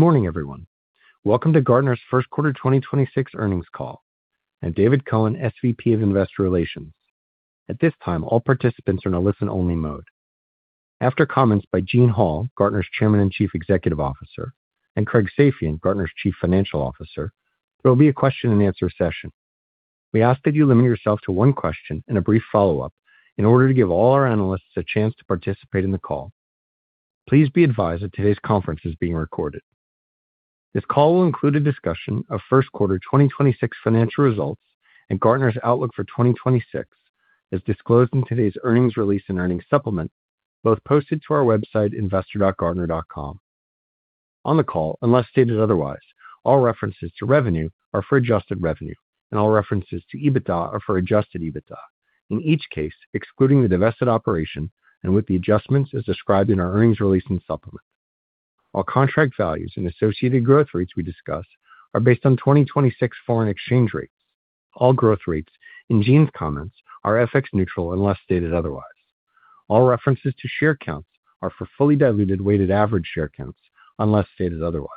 Good morning, everyone. Welcome to Gartner's 1st quarter 2026 earnings call. I'm David Cohen, SVP of Investor Relations. At this time, all participants are in a listen-only mode. After comments by Gene Hall, Gartner's Chairman and Chief Executive Officer, and Craig Safian, Gartner's Chief Financial Officer, there will be a question-and-answer session. We ask that you limit yourself to one question and a brief follow-up in order to give all our analysts a chance to participate in the call. Please be advised that today's conference is being recorded. This call will include a discussion of first quarter 2026 financial results and Gartner's outlook for 2026, as disclosed in today's earnings release and earnings supplement, both posted to our website, investor.gartner.com. On the call, unless stated otherwise, all references to revenue are for adjusted revenue, and all references to EBITDA are for adjusted EBITDA, in each case, excluding the divested operation and with the adjustments as described in our earnings release and supplement. All contract values and associated growth rates we discuss are based on 2026 foreign exchange rates. All growth rates in Gene's comments are FX neutral unless stated otherwise. All references to share counts are for fully diluted weighted average share counts unless stated otherwise.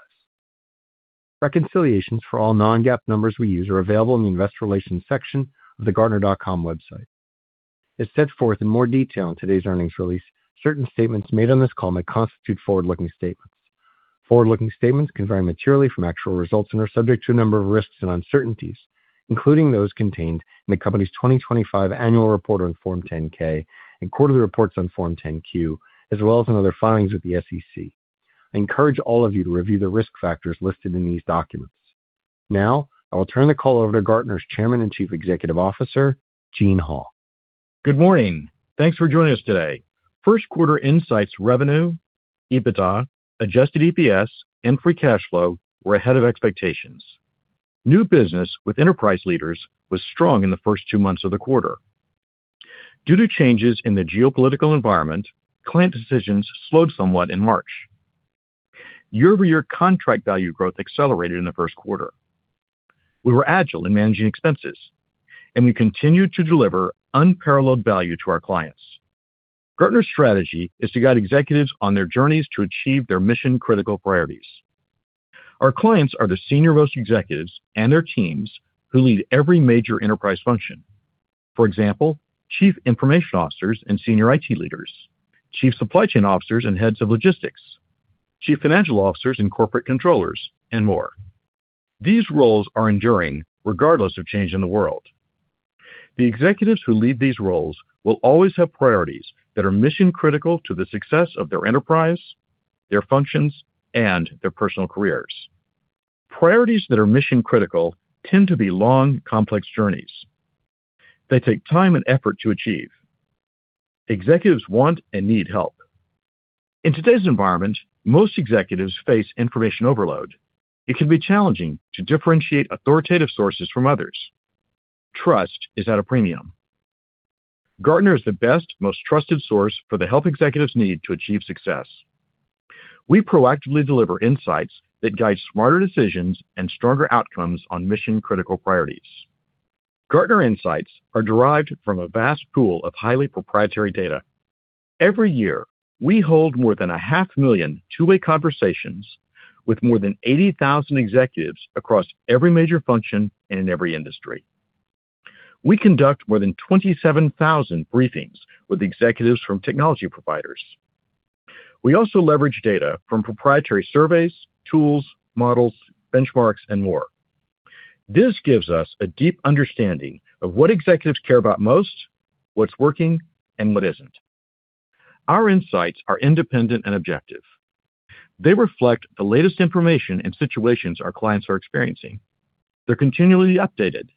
Reconciliations for all non-GAAP numbers we use are available in the Investor Relations section of the gartner.com website. As set forth in more detail in today's earnings release, certain statements made on this call may constitute forward-looking statements. Forward-looking statements can vary materially from actual results and are subject to a number of risks and uncertainties, including those contained in the company's 2025 annual report on Form 10-K and quarterly reports on Form 10-Q, as well as in other filings with the SEC. I encourage all of you to review the risk factors listed in these documents. Now, I will turn the call over to Gartner's Chairman and Chief Executive Officer, Gene Hall. Good morning. Thanks for joining us today. First quarter Insights revenue, EBITDA, adjusted EPS, and free cash flow were ahead of expectations. New business with enterprise leaders was strong in the first two months of the quarter. Due to changes in the geopolitical environment, client decisions slowed somewhat in March. Year-over-year contract value growth accelerated in the first quarter. We were agile in managing expenses, and we continued to deliver unparalleled value to our clients. Gartner's strategy is to guide executives on their journeys to achieve their mission-critical priorities. Our clients are the senior-most executives and their teams who lead every major enterprise function. For example, chief information officers and senior IT leaders, chief supply chain officers and heads of logistics, chief financial officers and corporate controllers, and more. These roles are enduring regardless of change in the world. The executives who lead these roles will always have priorities that are mission-critical to the success of their enterprise, their functions, and their personal careers. Priorities that are mission-critical tend to be long, complex journeys. They take time and effort to achieve. Executives want and need help. In today's environment, most executives face information overload. It can be challenging to differentiate authoritative sources from others. Trust is at a premium. Gartner is the best, most trusted source for the help executives need to achieve success. We proactively deliver insights that guide smarter decisions and stronger outcomes on mission-critical priorities. Gartner Insights are derived from a vast pool of highly proprietary data. Every year, we hold more than 500,000 two-way conversations with more than 80,000 executives across every major function and in every industry. We conduct more than 27,000 briefings with executives from technology providers. We also leverage data from proprietary surveys, tools, models, benchmarks, and more. This gives us a deep understanding of what executives care about most, what's working, and what isn't. Our insights are independent and objective. They reflect the latest information and situations our clients are experiencing. They're continually updated,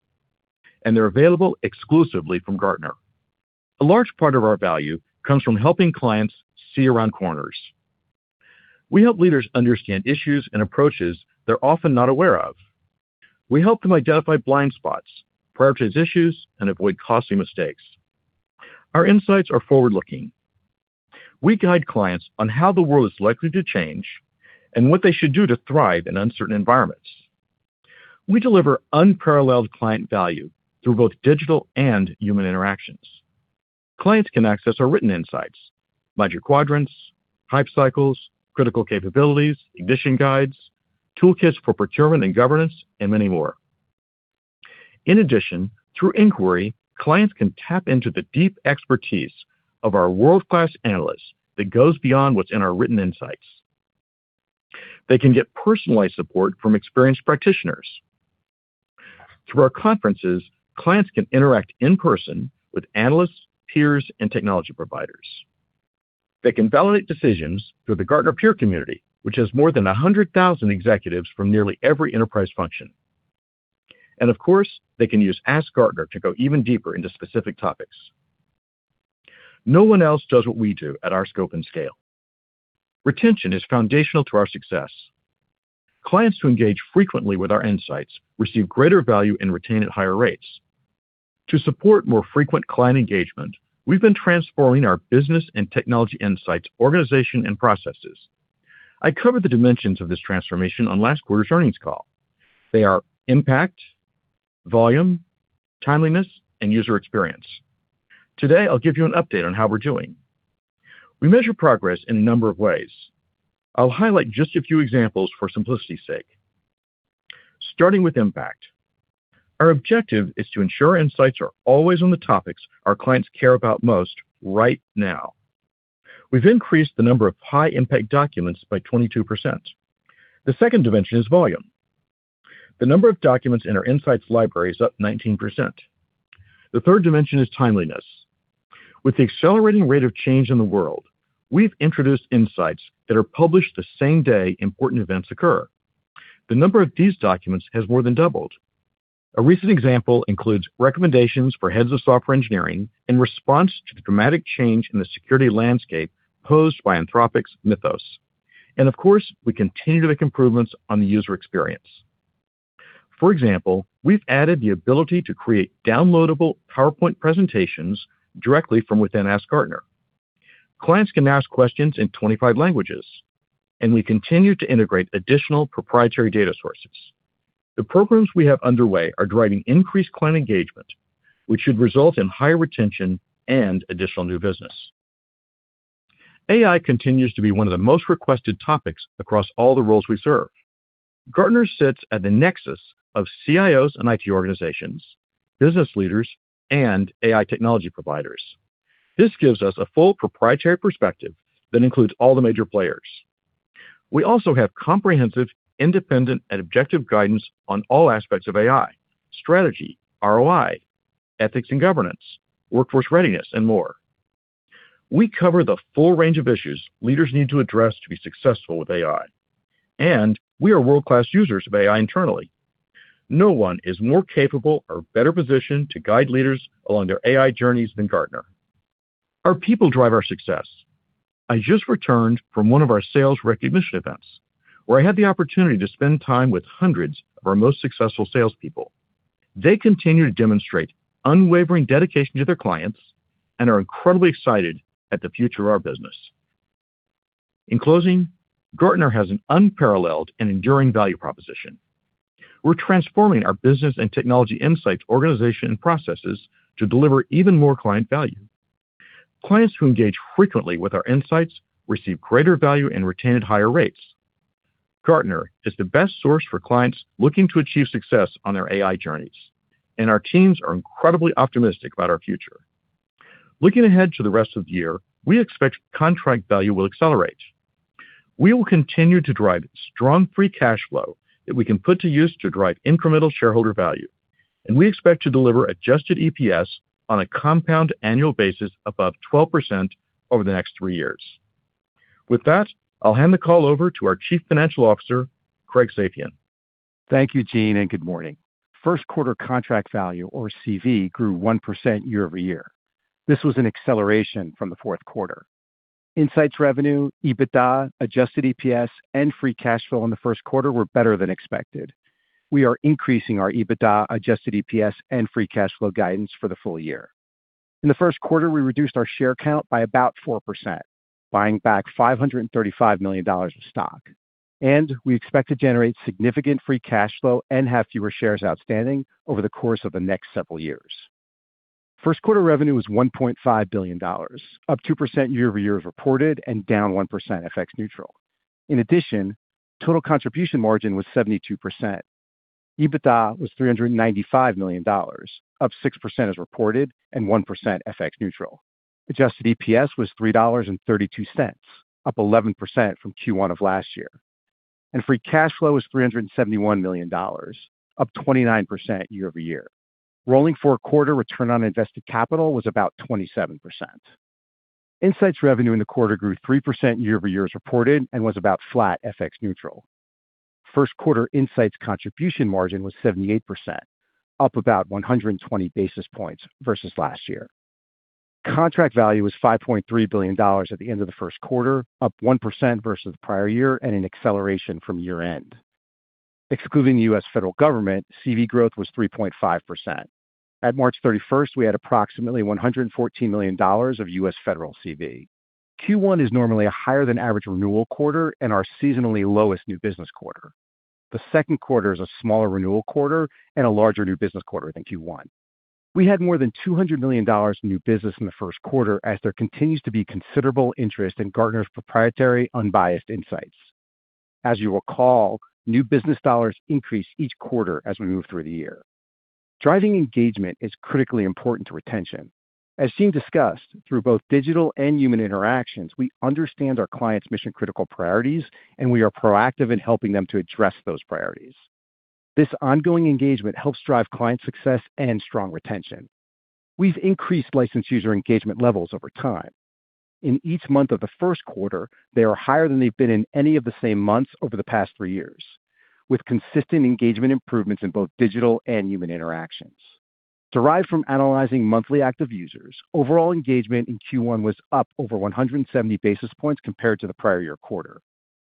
and they're available exclusively from Gartner. A large part of our value comes from helping clients see around corners. We help leaders understand issues and approaches they're often not aware of. We help them identify blind spots, prioritize issues, and avoid costly mistakes. Our insights are forward-looking. We guide clients on how the world is likely to change and what they should do to thrive in uncertain environments. We deliver unparalleled client value through both digital and human interactions. Clients can access our written insights, Magic Quadrants, Hype Cycles, Critical Capabilities, Ignition Guides, toolkits for procurement and governance, and many more. In addition, through inquiry, clients can tap into the deep expertise of our world-class analysts that goes beyond what's in our written insights. They can get personalized support from experienced practitioners. Through our conferences, clients can interact in person with analysts, peers, and technology providers. They can validate decisions through the Gartner Peer Community, which has more than 100,000 executives from nearly every enterprise function. Of course, they can use AskGartner to go even deeper into specific topics. No one else does what we do at our scope and scale. Retention is foundational to our success. Clients who engage frequently with our insights receive greater value and retain at higher rates. To support more frequent client engagement, we've been transforming our business and technology insights, organization, and processes. I covered the dimensions of this transformation on last quarter's earnings call. They are Impact, Volume, Timeliness, and User Experience. Today, I'll give you an update on how we're doing. We measure progress in a number of ways. I'll highlight just a few examples for simplicity's sake. Starting with Impact. Our objective is to ensure insights are always on the topics our clients care about most right now. We've increased the number of high-impact documents by 22%. The second dimension is Volume. The number of documents in our insights library is up 19%. The third dimension is Timeliness. With the accelerating rate of change in the world, we've introduced insights that are published the same day important events occur. The number of these documents has more than doubled. A recent example includes recommendations for heads of software engineering in response to the dramatic change in the security landscape posed by Anthropic's Mythos. Of course, we continue to make improvements on the user experience. For example, we've added the ability to create downloadable PowerPoint presentations directly from within AskGartner. Clients can ask questions in 25 languages, and we continue to integrate additional proprietary data sources. The programs we have underway are driving increased client engagement, which should result in higher retention and additional new business. AI continues to be one of the most requested topics across all the roles we serve. Gartner sits at the nexus of CIOs and IT organizations, business leaders and AI technology providers. This gives us a full proprietary perspective that includes all the major players. We also have comprehensive, independent and objective guidance on all aspects of AI, strategy, ROI, ethics and governance, workforce readiness and more. We cover the full range of issues leaders need to address to be successful with AI, and we are world-class users of AI internally. No one is more capable or better positioned to guide leaders along their AI journeys than Gartner. Our people drive our success. I just returned from one of our sales recognition events where I had the opportunity to spend time with hundreds of our most successful salespeople. They continue to demonstrate unwavering dedication to their clients and are incredibly excited at the future of our business. In closing, Gartner has an unparalleled and enduring value proposition. We're transforming our business and technology insights, organization, and processes to deliver even more client value. Clients who engage frequently with our insights receive greater value and retain at higher rates. Gartner is the best source for clients looking to achieve success on their AI journeys, and our teams are incredibly optimistic about our future. Looking ahead to the rest of the year, we expect contract value will accelerate. We will continue to drive strong free cash flow that we can put to use to drive incremental shareholder value, and we expect to deliver adjusted EPS on a compound annual basis above 12% over the next three years. With that, I'll hand the call over to our Chief Financial Officer, Craig Safian. Thank you, Gene, and good morning. First quarter contract value, or CV, grew 1% year-over-year. This was an acceleration from the fourth quarter. Insights revenue, EBITDA, adjusted EPS and free cash flow in the first quarter were better than expected. We are increasing our EBITDA, adjusted EPS and free cash flow guidance for the full year. In the first quarter, we reduced our share count by about 4%, buying back $535 million of stock, and we expect to generate significant free cash flow and have fewer shares outstanding over the course of the next several years. First quarter revenue was $1.5 billion, up 2% year-over-year as reported, and down 1% FX neutral. Total contribution margin was 72%. EBITDA was $395 million, up 6% as reported and 1% FX neutral. Adjusted EPS was $3.32, up 11% from Q1 of last year, and free cash flow was $371 million, up 29% year-over-year. Rolling four-quarter return on invested capital was about 27%. Insights revenue in the quarter grew 3% year-over-year as reported and was about flat FX neutral. First quarter insights contribution margin was 78%, up about 120 basis points versus last year. Contract value was $5.3 billion at the end of the first quarter, up 1% versus the prior year and an acceleration from year-end. Excluding the U.S. federal government, CV growth was 3.5%. At March 31st, we had approximately $114 million of U.S. Federal CV. Q1 is normally a higher than average renewal quarter and our seasonally lowest new business quarter. The second quarter is a smaller renewal quarter and a larger new business quarter than Q1. We had more than $200 million of new business in the first quarter as there continues to be considerable interest in Gartner's proprietary unbiased insights. As you will recall, new business dollars increase each quarter as we move through the year. Driving engagement is critically important to retention. As Gene discussed, through both digital and human interactions, we understand our clients' mission-critical priorities, and we are proactive in helping them to address those priorities. This ongoing engagement helps drive client success and strong retention. We've increased licensed user engagement levels over time. In each month of the first quarter, they are higher than they've been in any of the same months over the past three years, with consistent engagement improvements in both digital and human interactions. Derived from analyzing monthly active users, overall engagement in Q1 was up over 170 basis points compared to the prior year quarter.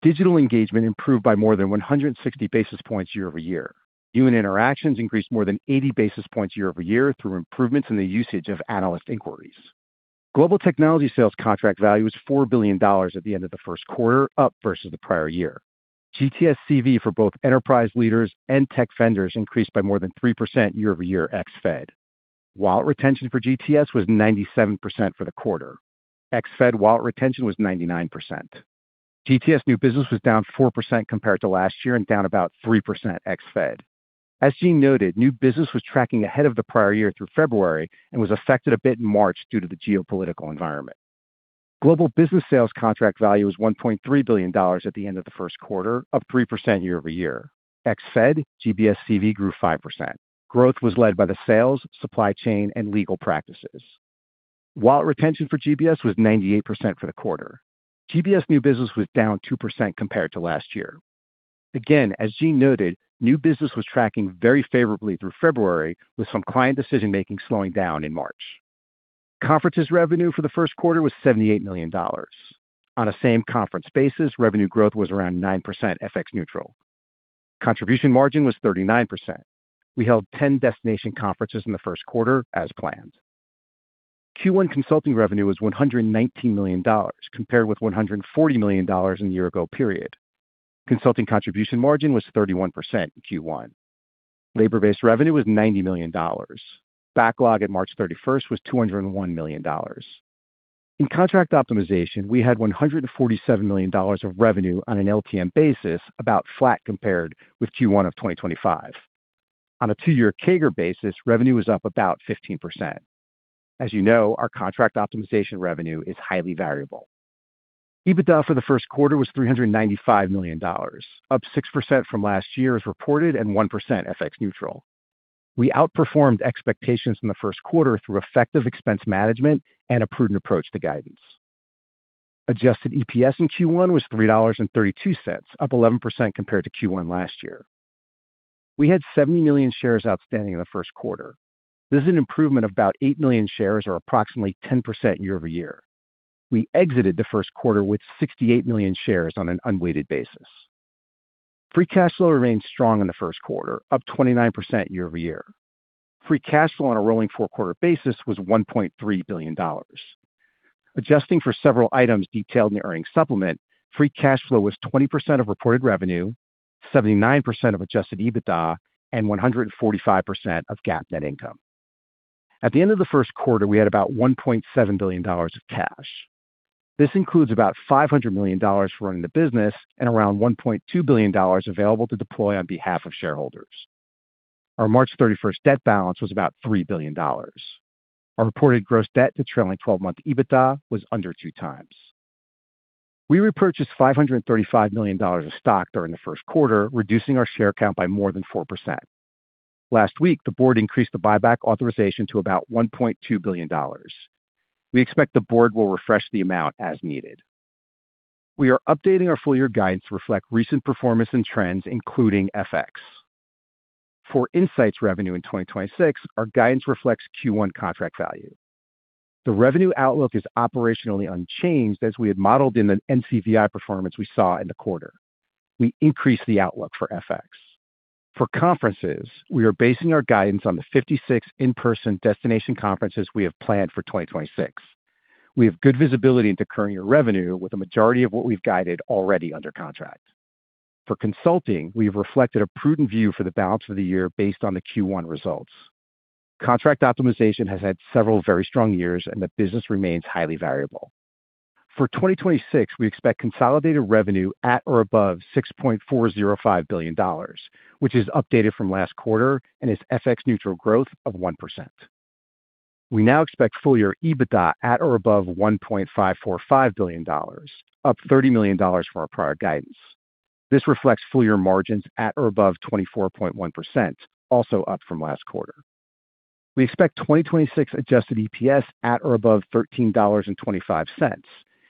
Digital engagement improved by more than 160 basis points year-over-year. Human interactions increased more than 80 basis points year-over-year through improvements in the usage of analyst inquiries. Global technology sales contract value is $4 billion at the end of the first quarter, up versus the prior year. GTS CV for both enterprise leaders and tech vendors increased by more than 3% year-over-year ex Fed. Wallet retention for GTS was 97% for the quarter. Ex Fed wallet retention was 99%. GTS New Business was down 4% compared to last year and down about 3% ex Fed. As Gene noted, New Business was tracking ahead of the prior year through February and was affected a bit in March due to the geopolitical environment. Global business sales contract value was $1.3 billion at the end of the first quarter, up 3% year-over-year. Ex Fed GBS CV grew 5%. Growth was led by the sales, supply chain, and legal practices. Wallet retention for GBS was 98% for the quarter. GBS New Business was down 2% compared to last year. Again, as Gene noted, New Business was tracking very favorably through February with some client decision-making slowing down in March. Conferences revenue for the first quarter was $78 million. On a same conference basis, revenue growth was around 9% FX neutral. Contribution margin was 39%. We held 10 destination conferences in the first quarter as planned. Q1 consulting revenue was $119 million, compared with $140 million in the year-ago period. Consulting contribution margin was 31% in Q1. Labor-based revenue was $90 million. Backlog at March 31st was $201 million. In Contract Optimization, we had $147 million of revenue on an LTM basis, about flat compared with Q1 of 2025. On a two-year CAGR basis, revenue was up about 15%. As you know, our Contract Optimization revenue is highly variable. EBITDA for the first quarter was $395 million, up 6% from last year as reported and 1% FX neutral. We outperformed expectations in the first quarter through effective expense management and a prudent approach to guidance. Adjusted EPS in Q1 was $3.32, up 11% compared to Q1 last year. We had 70 million shares outstanding in the first quarter. This is an improvement of about 8 million shares or approximately 10% year-over-year. We exited the first quarter with 68 million shares on an unweighted basis. Free cash flow remained strong in the first quarter, up 29% year-over-year. Free cash flow on a rolling four-quarter basis was $1.3 billion. Adjusting for several items detailed in the earnings supplement, free cash flow was 20% of reported revenue, 79% of adjusted EBITDA, and 145% of GAAP net income. At the end of the first quarter, we had about $1.7 billion of cash. This includes about $500 million for running the business and around $1.2 billion available to deploy on behalf of shareholders. Our March 31st debt balance was about $3 billion. Our reported gross debt to trailing twelve-month EBITDA was under 2x. We repurchased $535 million of stock during the first quarter, reducing our share count by more than 4%. Last week, the board increased the buyback authorization to about $1.2 billion. We expect the board will refresh the amount as needed. We are updating our full-year guidance to reflect recent performance and trends, including FX. For Insights revenue in 2026, our guidance reflects Q1 contract value. The revenue outlook is operationally unchanged as we had modeled in the NCVI performance we saw in the quarter. We increased the outlook for FX. For conferences, we are basing our guidance on the 56 in-person destination conferences we have planned for 2026. We have good visibility into current year revenue, with a majority of what we've guided already under contract. For consulting, we have reflected a prudent view for the balance of the year based on the Q1 results. Contract Optimization has had several very strong years, and the business remains highly variable. For 2026, we expect consolidated revenue at or above $6.405 billion, which is updated from last quarter and is FX neutral growth of 1%. We now expect full-year EBITDA at or above $1.545 billion, up $30 million from our prior guidance. This reflects full-year margins at or above 24.1%, also up from last quarter. We expect 2026 adjusted EPS at or above $13.25,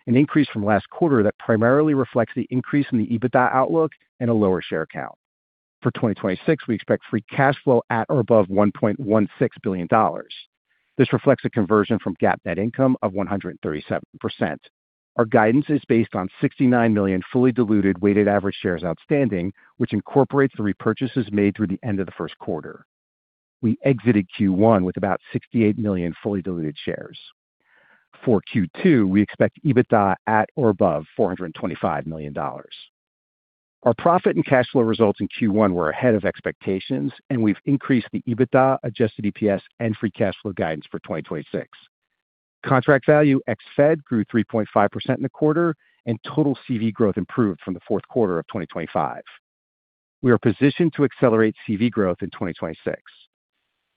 an increase from last quarter that primarily reflects the increase in the EBITDA outlook and a lower share count. For 2026, we expect free cash flow at or above $1.16 billion. This reflects a conversion from GAAP net income of 137%. Our guidance is based on 69 million fully diluted weighted average shares outstanding, which incorporates the repurchases made through the end of the first quarter. We exited Q1 with about 68 million fully diluted shares. For Q2, we expect EBITDA at or above $425 million. Our profit and cash flow results in Q1 were ahead of expectations, and we've increased the EBITDA, adjusted EPS, and free cash flow guidance for 2026. Contract value ex Fed grew 3.5% in the quarter, and total CV growth improved from the fourth quarter of 2025. We are positioned to accelerate CV growth in 2026,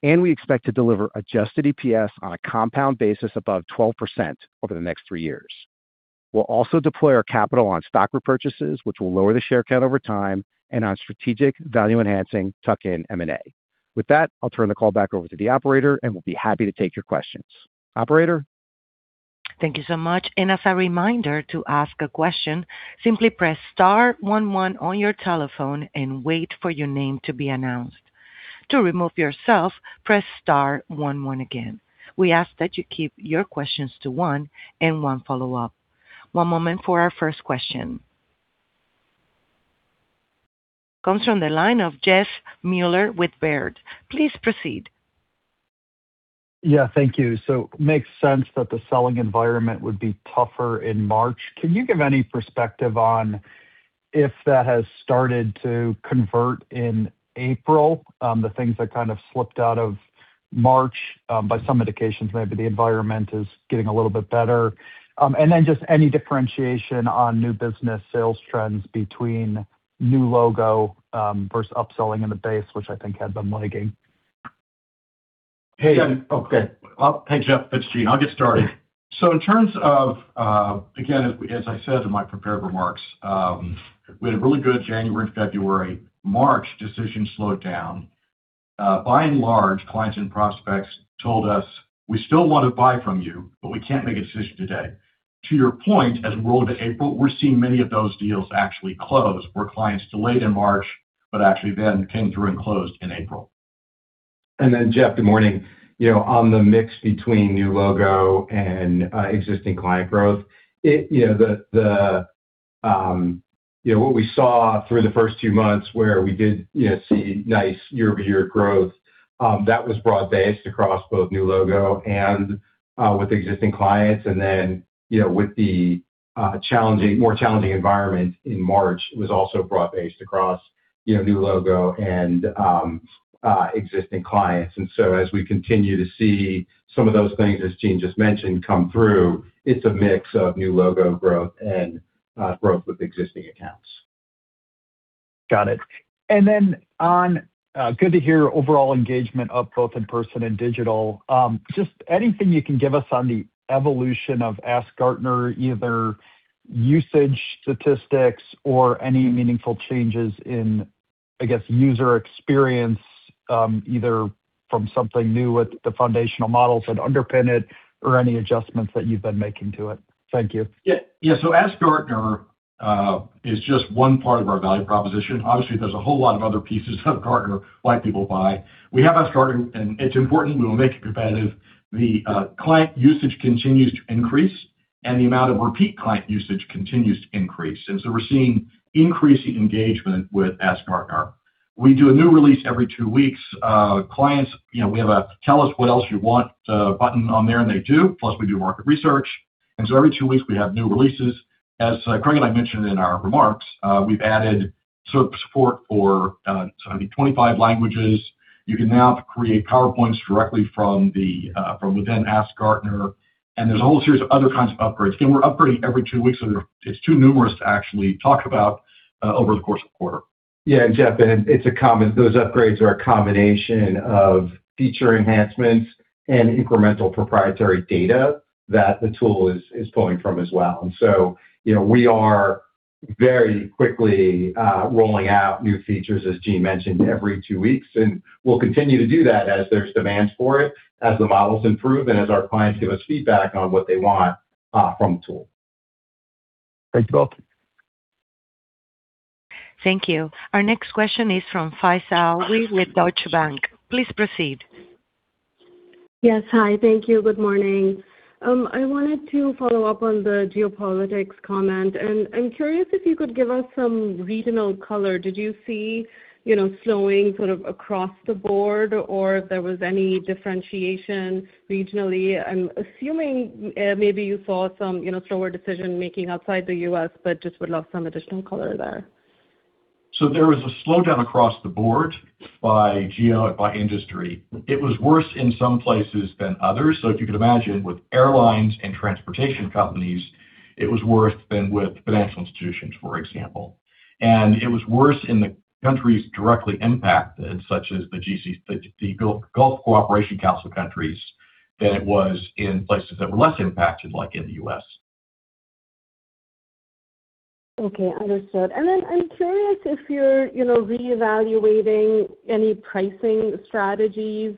and we expect to deliver adjusted EPS on a compound basis above 12% over the next three years. We'll also deploy our capital on stock repurchases, which will lower the share count over time, and on strategic value-enhancing tuck-in M&A. With that, I'll turn the call back over to the operator, and we'll be happy to take your questions. Operator? Thank you so much. As a reminder, to ask a question, simply press star one one on your telephone and wait for your name to be announced. To remove yourself, press star one one again. We ask that you keep your questions to one and one follow-up. One moment for our first question. Comes from the line of Jeff Meuler with Baird. Please proceed. Yeah, thank you. Makes sense that the selling environment would be tougher in March. Can you give any perspective on if that has started to convert in April? The things that kind of slipped out of March, by some indications, maybe the environment is getting a little bit better. Just any differentiation on new business sales trends between New Logo versus upselling in the base, which I think had been lagging. Hey, okay. Hey, Jeff, it's Gene. I'll get started. In terms of, again, as I said in my prepared remarks, we had a really good January and February. March, decisions slowed down. By and large, clients and prospects told us, "We still wanna buy from you, but we can't make a decision today." To your point, as we roll to April, we're seeing many of those deals actually close, where clients delayed in March, but actually then came through and closed in April. Jeff, good morning. On the mix between New Logo and existing client growth, what we saw through the first two months where we did see nice year-over-year growth, that was broad-based across both New Logo and with existing clients. With the challenging, more challenging environment in March, it was also broad-based across New Logo and existing clients. As we continue to see some of those things, as Gene just mentioned, come through, it's a mix of new logo growth and growth with existing accounts. Got it. Good to hear overall engagement of both in person and digital. Just anything you can give us on the evolution of AskGartner, either usage statistics or any meaningful changes in, I guess, user experience, either from something new with the foundational models that underpin it or any adjustments that you've been making to it? Thank you. Yeah. Yeah. AskGartner is just one part of our value proposition. Obviously, there's a whole lot of other pieces of Gartner why people buy. We have AskGartner, and it's important, we will make it competitive. The client usage continues to increase, and the amount of repeat client usage continues to increase. We're seeing increasing engagement with AskGartner. We do a new release every two weeks. Clients, you know, we have a tell us what else you want button on there, and they do, plus we do market research. Every two weeks, we have new releases. As Craig and I mentioned in our remarks, we've added support for, so I think 25 languages. You can now create PowerPoints directly from the from within AskGartner. There's a whole series of other kinds of upgrades. Again, we're upgrading every two weeks, so it's too numerous to actually talk about over the course of the quarter. Yeah. Jeff, those upgrades are a combination of feature enhancements and incremental proprietary data that the tool is pulling from as well. You know, we are very quickly rolling out new features, as Gene mentioned, every two weeks, and we'll continue to do that as there's demand for it, as the models improve, and as our clients give us feedback on what they want from the tool. Thanks, both. Thank you. Our next question is from Faiza Alwy with Deutsche Bank. Please proceed. Yes. Hi. Thank you. Good morning. I wanted to follow up on the geopolitics comment, and I'm curious if you could give us some regional color. Did you see, you know, slowing sort of across the board or if there was any differentiation regionally? I'm assuming, maybe you saw some, you know, slower decision-making outside the U.S., but just would love some additional color there. There was a slowdown across the board by geo, by industry. It was worse in some places than others. If you could imagine with airlines and transportation companies, it was worse than with financial institutions, for example. It was worse in the countries directly impacted, such as the Gulf Cooperation Council countries, than it was in places that were less impacted, like in the U.S. Okay. Understood. I'm curious if you're, you know, reevaluating any pricing strategies,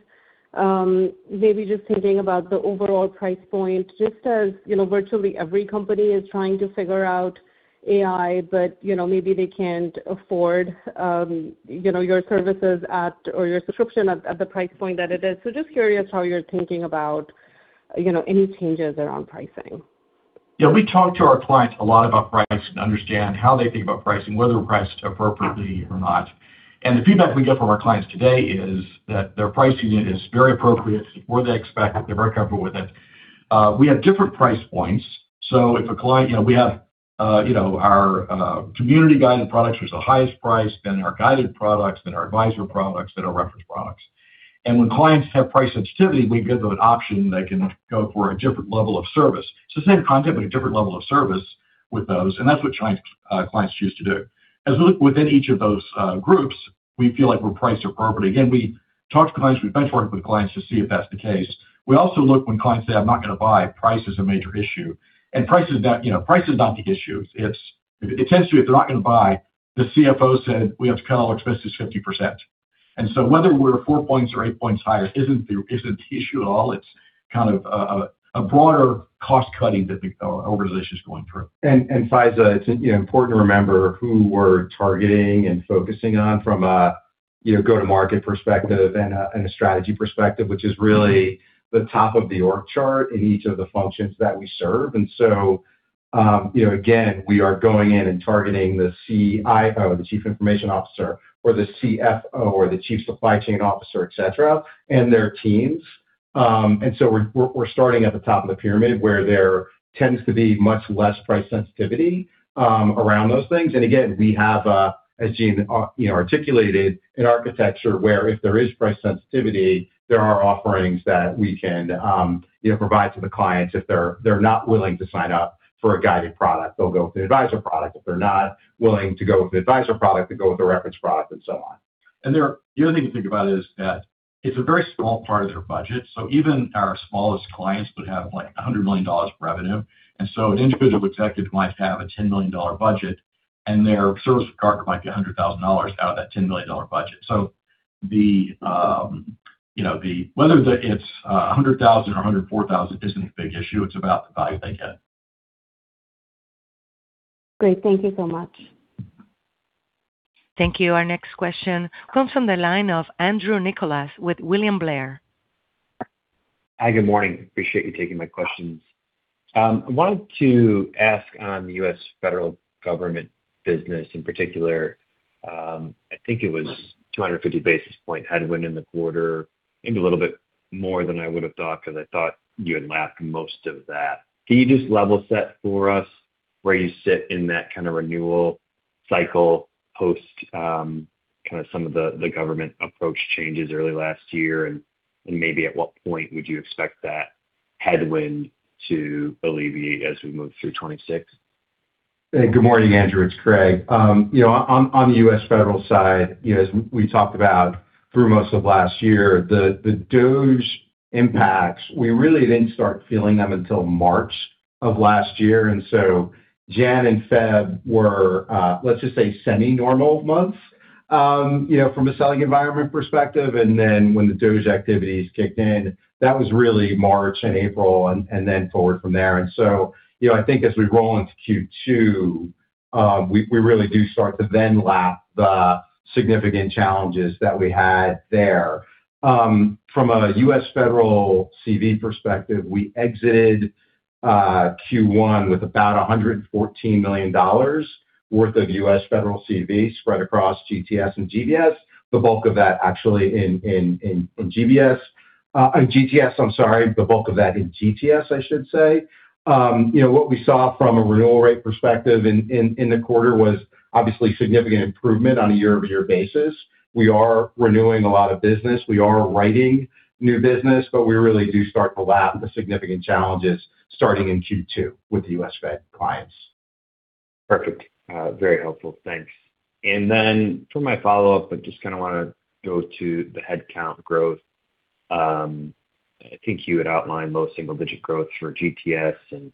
maybe just thinking about the overall price point, just as, you know, virtually every company is trying to figure out AI, but, you know, maybe they can't afford, you know, your services at or your subscription at the price point that it is. Just curious how you're thinking about, you know, any changes around pricing. We talk to our clients a lot about pricing to understand how they think about pricing, whether we're priced appropriately or not. The feedback we get from our clients today is that their pricing is very appropriate. It's what they expect. They're very comfortable with it. We have different price points. If a client, you know, we have, you know, our community-guided products, which are the highest priced, then our guided products, then our advisory products, then our reference products. When clients have price sensitivity, we give them an option. They can go for a different level of service. It's the same content, but a different level of service with those, and that's what clients choose to do. As we look within each of those groups, we feel like we're priced appropriately. Again, we talk to clients, we benchmark with clients to see if that's the case. We also look when clients say, "I'm not gonna buy, price is a major issue." Price is not, you know, price is not the issue. It tends to be if they're not gonna buy, the CFO said, "We have to cut all expenses 50%." Whether we're four points or eight points higher isn't the, isn't the issue at all. It's kind of a broader cost cutting that over this issue is going through. Faiza, it's, you know, important to remember who we're targeting and focusing on from a go-to-market perspective and a strategy perspective, which is really the top of the org chart in each of the functions that we serve. You know, again, we are going in and targeting the CIO, the chief information officer, or the CFO, or the chief supply chain officer, et cetera, and their teams. We're starting at the top of the pyramid where there tends to be much less price sensitivity around those things. Again, we have, as Gene, you know, articulated, an architecture where if there is price sensitivity, there are offerings that we can, you know, provide to the clients if they're not willing to sign up for a guided product. They'll go with the advisor product. If they're not willing to go with the advisor product, they go with the reference product and so on. The other thing to think about is that it's a very small part of their budget, so even our smallest clients would have, like, $100 million revenue. An individual executive might have a $10 million budget, and their service with Gartner might be $100,000 out of that $10 million budget. The, you know, whether it's $100,000 or $104,000 isn't a big issue. It's about the value they get. Great. Thank you so much. Thank you. Our next question comes from the line of Andrew Nicholas with William Blair. Hi, good morning. Appreciate you taking my questions. Wanted to ask on the U.S. Federal Government business in particular, I think it was 250 basis point headwind in the quarter, maybe a little bit more than I would have thought because I thought you had lapped most of that. Can you just level set for us where you sit in that kind of renewal cycle post, kind of some of the government approach changes early last year and maybe at what point would you expect that headwind to alleviate as we move through 2026? Hey, good morning, Andrew. It's Craig. You know, on the U.S. federal side, you know, as we talked about through most of last year, the DOGE impacts, we really didn't start feeling them until March of last year. January and February were, let's just say semi-normal months, you know, from a selling environment perspective. When the DOGE activities kicked in, that was really March and April and then forward from there. You know, I think as we roll into Q2, we really do start to then lap the significant challenges that we had there. From a U.S. Federal CV perspective, we exited Q1 with about $114 million worth of U.S. Federal CV spread across GTS and GBS. The bulk of that actually in GBS. GTS, I'm sorry. The bulk of that in GTS, I should say. You know, what we saw from a renewal rate perspective in the quarter was obviously significant improvement on a year-over-year basis. We are renewing a lot of business. We are writing new business, but we really do start to lap the significant challenges starting in Q2 with the U.S. Fed clients. Perfect. Very helpful. Thanks. For my follow-up, I just kinda wanna go to the headcount growth. I think you had outlined low single-digit growth for GTS and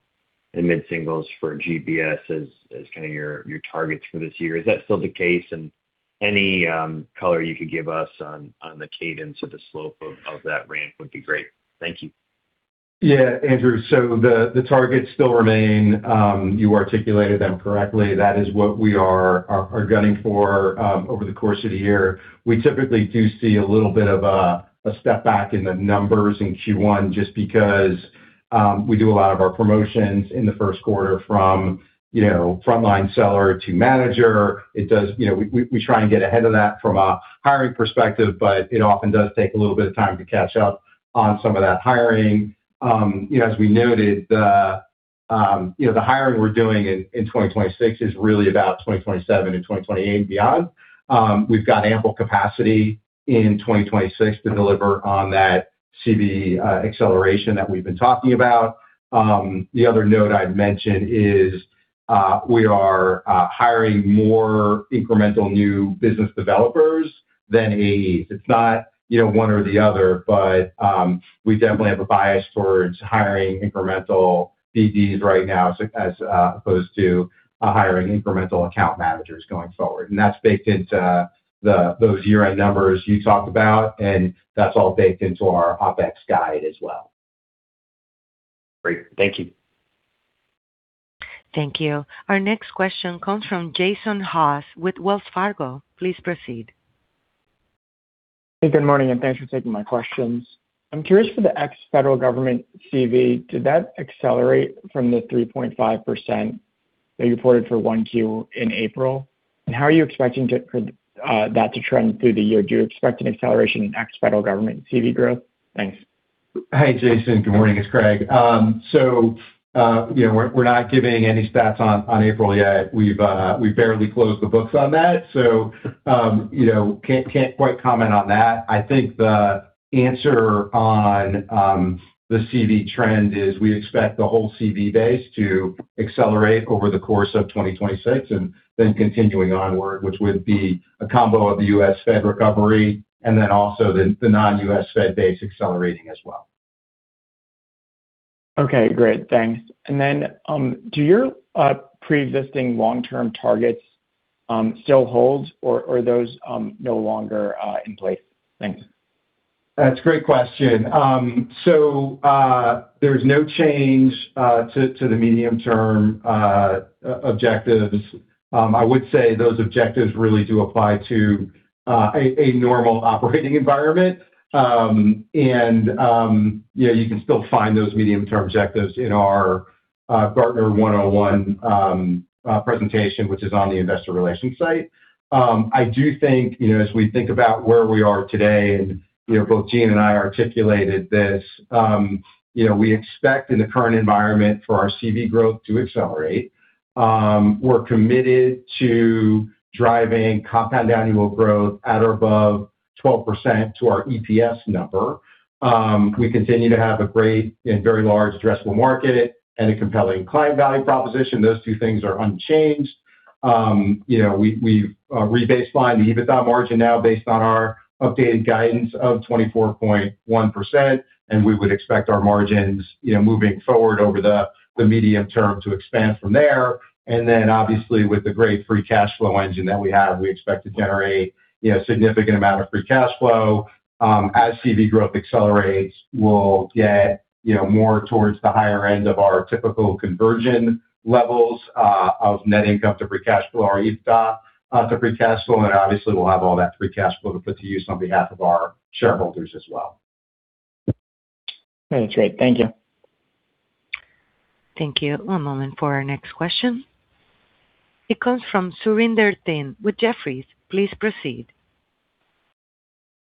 mid-singles for GBS as kinda your targets for this year. Is that still the case? Any color you could give us on the cadence or the slope of that ramp would be great. Thank you. Andrew, the targets still remain. You articulated them correctly. That is what we are gunning for over the course of the year. We typically do see a little bit of a step back in the numbers in Q1 just because we do a lot of our promotions in the first quarter from, you know, frontline seller to manager. You know, we try and get ahead of that from a hiring perspective, but it often does take a little bit of time to catch up on some of that hiring. You know, as we noted, the hiring we're doing in 2026 is really about 2027 and 2028 and beyond. We've got ample capacity in 2026 to deliver on that CV acceleration that we've been talking about. The other note I'd mention is, we are hiring more incremental New Business developers than AEs. It's not, you know, one or the other, but we definitely have a bias towards hiring incremental BDs right now as opposed to hiring incremental account managers going forward. That's baked into the, those year-end numbers you talked about, and that's all baked into our OpEx guide as well. Great. Thank you. Thank you. Our next question comes from Jason Haas with Wells Fargo. Please proceed. Hey, good morning, and thanks for taking my questions. I'm curious for the ex Federal Government CV, did that accelerate from the 3.5% that you reported for 1Q in April? How are you expecting that to trend through the year? Do you expect an acceleration in ex Federal Government CV growth? Thanks. Hey, Jason. Good morning. It's Craig. You know, we're not giving any stats on April yet. We've barely closed the books on that, you know, can't quite comment on that. I think the answer on the CV trend is we expect the whole CV base to accelerate over the course of 2026 and then continuing onward, which would be a combo of the U.S. Fed recovery and then also the non-U.S. Fed base accelerating as well. Okay. Great. Thanks. Do your preexisting long-term targets still hold, or are those no longer in place? Thanks. That's a great question. There's no change to the medium-term objectives. I would say those objectives really do apply to a normal operating environment. You know, you can still find those medium-term objectives in our Gartner 101 presentation, which is on the investor relations site. I do think, you know, as we think about where we are today, and, you know, both Gene and I articulated this, you know, we expect in the current environment for our CV growth to accelerate. We're committed to driving compound annual growth at or above 12% to our EPS number. We continue to have a great and very large addressable market and a compelling client value proposition. Those two things are unchanged. You know, we've rebased by the EBITDA margin now based on our updated guidance of 24.1%, and we would expect our margins, you know, moving forward over the medium term to expand from there. Obviously, with the great free cash flow engine that we have, we expect to generate, you know, significant amount of free cash flow. As CV growth accelerates, we'll get, you know, more towards the higher end of our typical conversion levels of net income to free cash flow or EBITDA to free cash flow. Obviously, we'll have all that free cash flow to put to use on behalf of our shareholders as well. Okay, great. Thank you. Thank you. One moment for our next question. It comes from Surinder Thind with Jefferies. Please proceed.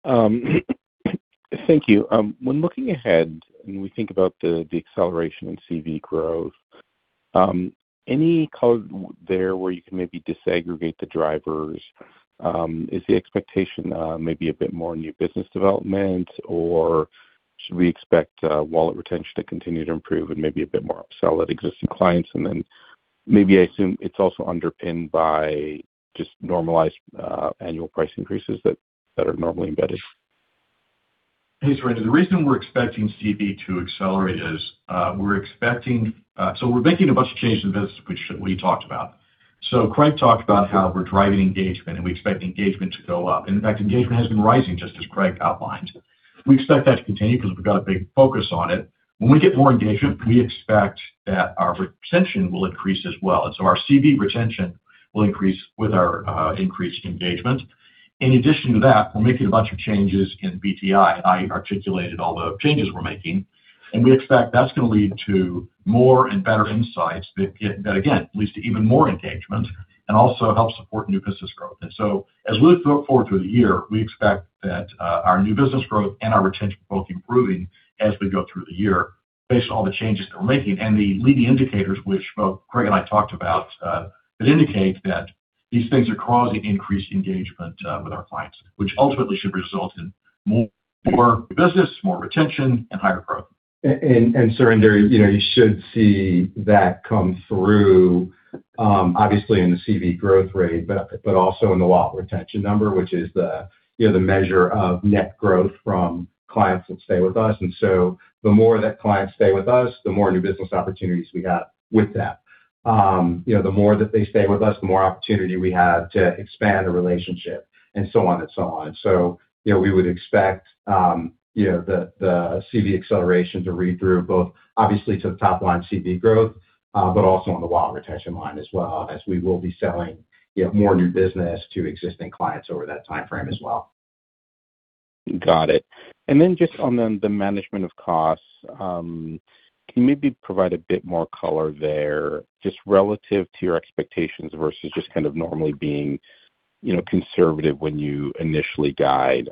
Thank you. When looking ahead and we think about the acceleration in CV growth, any color there where you can maybe disaggregate the drivers? Is the expectation maybe a bit more new business development, or should we expect wallet retention to continue to improve and maybe a bit more upsell at existing clients? Maybe I assume it's also underpinned by just normalized annual price increases that are normally embedded. Hey, Surinder. The reason we're expecting CV to accelerate is we're making a bunch of changes in business which we talked about. Craig talked about how we're driving engagement, and we expect engagement to go up. In fact, engagement has been rising, just as Craig outlined. We expect that to continue because we've got a big focus on it. When we get more engagement, we expect that our retention will increase as well. So our CV retention will increase with our increased engagement. In addition to that, we're making a bunch of changes in BTI. I articulated all the changes we're making, and we expect that's going to lead to more and better insights that, again, leads to even more engagement and also helps support new business growth. As we look forward through the year, we expect that, our new business growth and our retention both improving as we go through the year based on all the changes that we're making. The leading indicators, which both Craig and I talked about, that indicate that these things are causing increased engagement, with our clients, which ultimately should result in more business, more retention, and higher growth. Surinder, you know, you should see that come through, obviously in the CV growth rate, but also in the wallet retention number, which is the, you know, measure of net growth from clients that stay with us. The more that clients stay with us, the more new business opportunities we got with that. You know, the more that they stay with us, the more opportunity we have to expand the relationship and so on and so on. You know, we would expect, you know, the CV acceleration to read through both obviously to the top line CV growth, but also on the wallet retention line as well, as we will be selling, you know, more new business to existing clients over that timeframe as well. Got it. Just on the management of costs, can you maybe provide a bit more color there just relative to your expectations versus just kind of normally being, you know, conservative when you initially guide?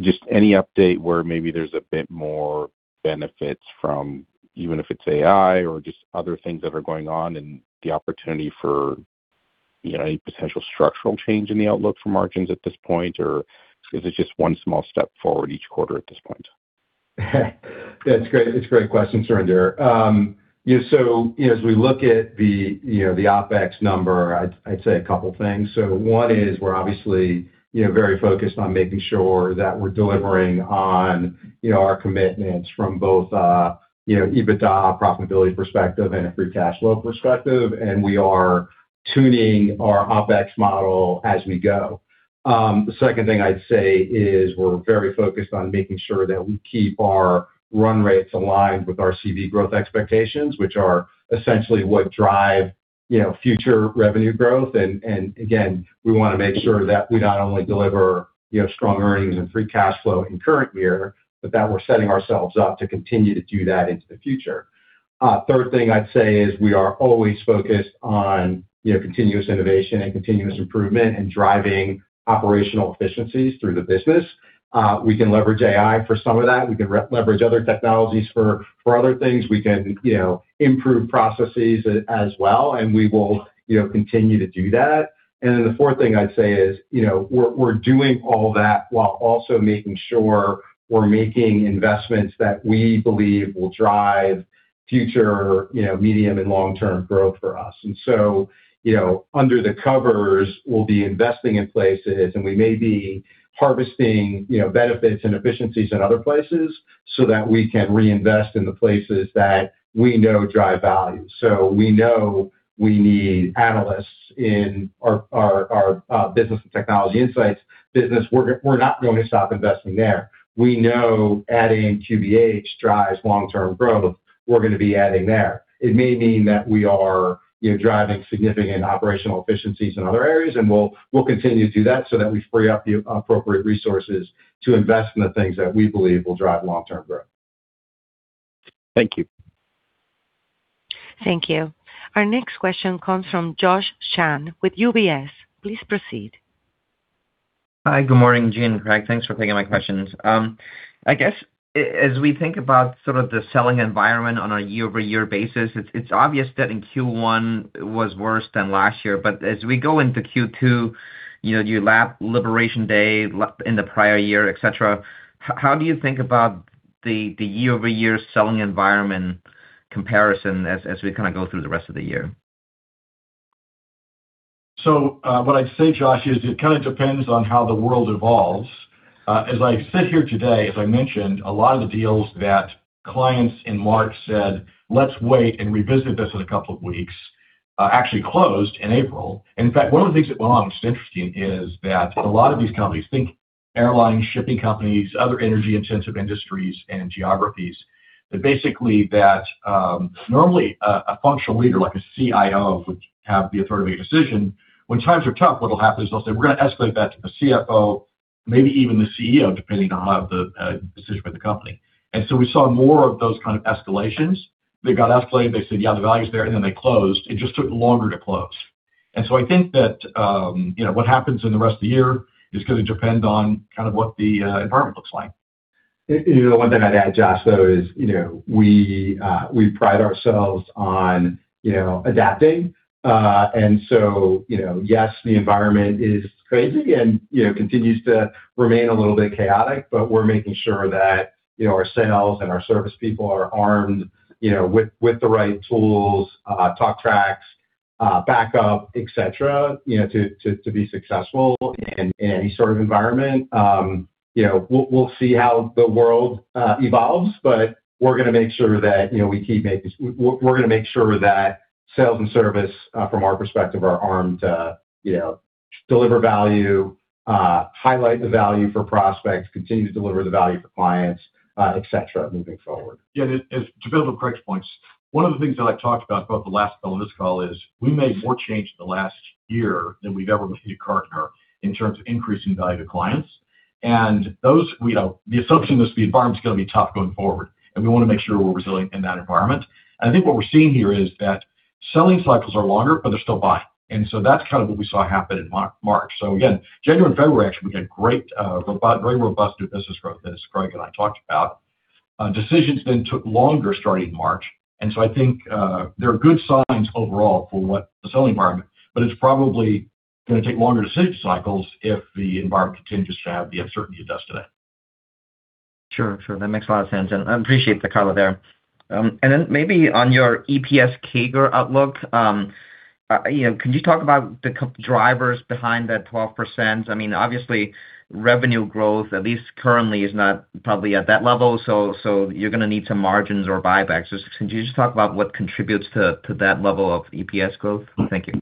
Just any update where maybe there's a bit more benefits from even if it's AI or just other things that are going on and the opportunity for, you know, any potential structural change in the outlook for margins at this point, or is it just one small step forward each quarter at this point? That's great. It's a great question, Surinder. Yeah, you know, as we look at the, you know, the OpEx number, I'd say a couple things. One is we're obviously, you know, very focused on making sure that we're delivering on, you know, our commitments from both an, you know, EBITDA profitability perspective and a free cash flow perspective, and we are tuning our OpEx model as we go. The second thing I'd say is we're very focused on making sure that we keep our run rates aligned with our CV growth expectations, which are essentially what drive, you know, future revenue growth. Again, we want to make sure that we not only deliver, you know, strong earnings and free cash flow in current year, but that we're setting ourselves up to continue to do that into the future. Third thing I'd say is we are always focused on, you know, continuous innovation and continuous improvement and driving operational efficiencies through the business. We can leverage AI for some of that. We can leverage other technologies for other things. We can, you know, improve processes as well, and we will, you know, continue to do that. The fourth thing I'd say is, you know, we're doing all that while also making sure we're making investments that we believe will drive future, you know, medium and long-term growth for us. Under the covers, we'll be investing in places, and we may be harvesting, you know, benefits and efficiencies in other places so that we can reinvest in the places that we know drive value. We know we need analysts in our business technology insights. We're not going to stop investing there. We know adding QBH drives long-term growth. We're gonna be adding there. It may mean that we are, you know, driving significant operational efficiencies in other areas, and we'll continue to do that so that we free up the appropriate resources to invest in the things that we believe will drive long-term growth. Thank you. Thank you. Our next question comes from Josh Chan with UBS. Please proceed. Hi, good morning, Gene and Craig. Thanks for taking my questions. I guess as we think about sort of the selling environment on a year-over-year basis, it's obvious that in Q1 was worse than last year. As we go into Q2, you know, you lap Liberation Day in the prior year, et cetera, how do you think about the year-over-year selling environment comparison as we kind of go through the rest of the year? What I'd say, Josh, is it kind of depends on how the world evolves. As I sit here today, as I mentioned, a lot of the deals that clients in March said, "Let's wait and revisit this in a couple of weeks," actually closed in April. One of the things that went on that was interesting is that a lot of these companies, think airline, shipping companies, other energy-intensive industries and geographies, that basically normally a functional leader like a CIO would have the authority of a decision. When times are tough, what'll happen is they'll say, "We're gonna escalate that to the CFO, maybe even the CEO, depending on how the decision for the company." We saw more of those kind of escalations. They got escalated. They said, "Yeah, the value is there," then they closed. It just took longer to close. I think that, you know, what happens in the rest of the year is gonna depend on kind of what the environment looks like. You know, the one thing I'd add, Josh, though, is, we pride ourselves on adapting. So, yes, the environment is crazy and continues to remain a little bit chaotic, but we're making sure that our sales and our service people are armed with the right tools, talk tracks, backup, et cetera, to be successful in any sort of environment. We'll see how the world evolves, but we're gonna make sure that sales and service from our perspective are armed to deliver value, highlight the value for prospects, continue to deliver the value for clients, et cetera, moving forward. Yeah, as to build on Craig's points, one of the things that I've talked about both the last call and this call is we made more change in the last year than we've ever made at Gartner in terms of increasing value to clients. Those, you know, the assumption is the environment's gonna be tough going forward, and we wanna make sure we're resilient in that environment. I think what we're seeing here is that selling cycles are longer, but they're still buying. That's kind of what we saw happen in March. Again, January and February actually we had great, very robust new business growth, as Craig and I talked about. Decisions took longer starting March. I think there are good signs overall for what the selling environment, but it's probably gonna take longer to sales cycles if the environment continues to have the uncertainty it does today. Sure. Sure. That makes a lot of sense, and I appreciate the color there. Then maybe on your EPS CAGR outlook, can you talk about the drivers behind that 12%? I mean, obviously revenue growth, at least currently, is not probably at that level, so you're gonna need some margins or buybacks. Can you just talk about what contributes to that level of EPS growth? Thank you.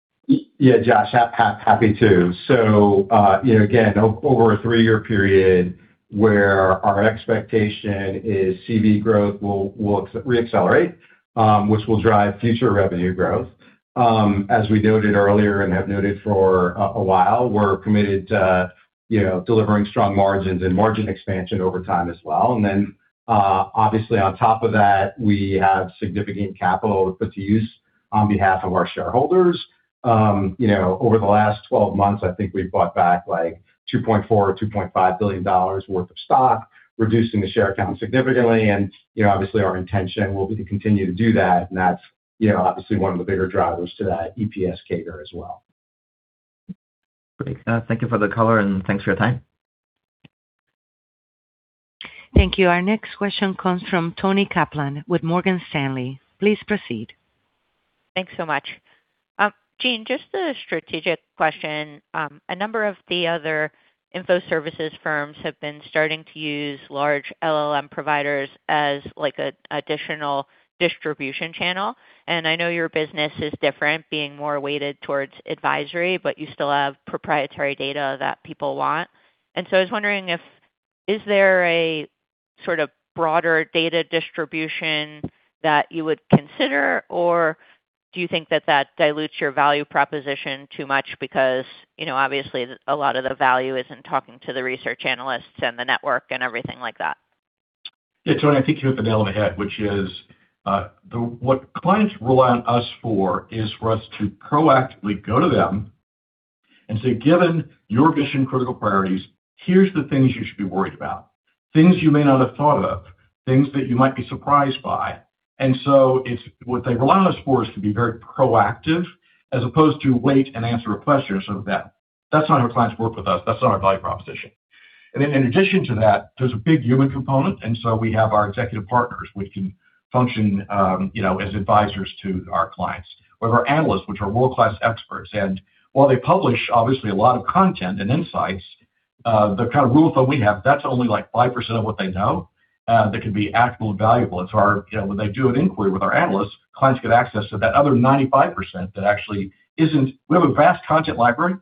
Josh, happy to. Again, over a three-year period where our expectation is CV growth will reaccelerate, which will drive future revenue growth. As we noted earlier and have noted for a while, we're committed to delivering strong margins and margin expansion over time as well. Obviously on top of that, we have significant capital to put to use on behalf of our shareholders. Over the last 12 months, I think we've bought back, like $2.4 billion-$2.5 billion worth of stock, reducing the share count significantly. Obviously our intention will be to continue to do that, and that's obviously one of the bigger drivers to that EPS CAGR as well. Great. Thank you for the color, and thanks for your time. Thank you. Our next question comes from Toni Kaplan with Morgan Stanley. Please proceed. Thanks so much. Gene, just a strategic question. A number of the other info services firms have been starting to use large LLM providers as, like, a additional distribution channel. And I know your business is different, being more weighted towards advisory, but you still have proprietary data that people want. I was wondering if, is there a sort of broader data distribution that you would consider, or do you think that that dilutes your value proposition too much? Because, you know, obviously a lot of the value is in talking to the research analysts and the network and everything like that. Yeah, Toni, I think you hit the nail on the head, which is, what clients rely on us for is for us to proactively go to them and say, "Given your mission-critical priorities, here's the things you should be worried about." Things you may not have thought of, things that you might be surprised by. It's what they rely on us for is to be very proactive as opposed to wait and answer a question so that that's not how clients work with us. That's not our value proposition. In addition to that, there's a big human component. So we have our executive partners, which can function, you know, as advisors to our clients. We have our analysts, which are world-class experts, and while they publish obviously a lot of content and insights, the kind of rule of thumb we have, that's only like 5% of what they know that can be actionable and valuable. You know, when they do an inquiry with our analysts, clients get access to that other 95%. We have a vast content library,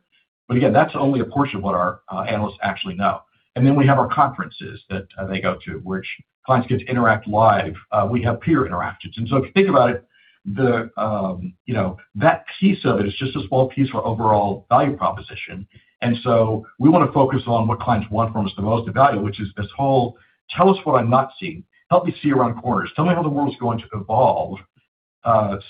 again, that's only a portion of what our analysts actually know. We have our conferences that they go to, which clients get to interact live. We have peer interactions. If you think about it, the, you know, that piece of it is just a small piece of our overall value proposition. We want to focus on what clients want from us the most of value, which is this whole, tell us what I'm not seeing. Help me see around corners. Tell me how the world's going to evolve,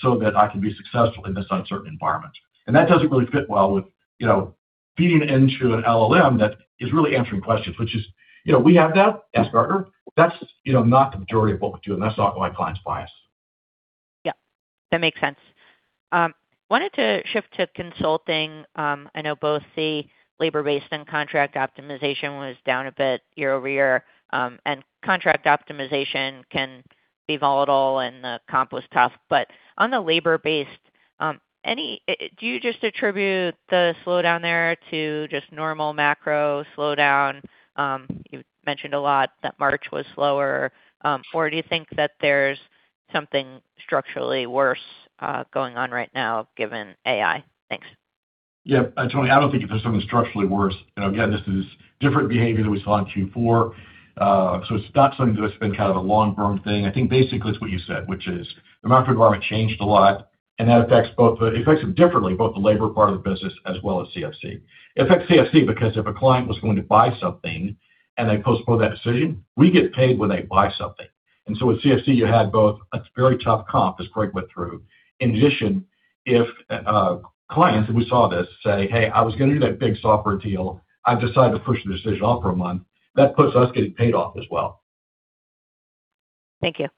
so that I can be successful in this uncertain environment. That doesn't really fit well with, you know, feeding into an LLM that is really answering questions, which is, you know, we have that at Gartner. That's, you know, not the majority of what we do, and that's not why clients buy us. Yeah, that makes sense. Wanted to shift to consulting. I know both the Labor-based and Contract Optimization was down a bit year-over-year, and Contract Optimization can be volatile and the comp was tough. On the labor-based, do you just attribute the slowdown there to just normal macro slowdown? You mentioned a lot that March was slower. Or do you think that there's something structurally worse going on right now given AI? Thanks. Yeah, Toni, I don't think there's something structurally worse. You know, again, this is different behavior than we saw in Q4. It's not something that's been kind of a long-term thing. I think basically it's what you said, which is the macro environment changed a lot and that affects both. It affects them differently, both the labor part of the business as well as CFC. It affects CFC because if a client was going to buy something and they postpone that decision, we get paid when they buy something. With CFC, you had both a very tough comp, as Craig went through. In addition, if clients, and we saw this, say, "Hey, I was going to do that big software deal. I've decided to push the decision off for a month," that puts us getting paid off as well. Thank you.